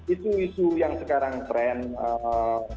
itu isu yang sekarang tren eee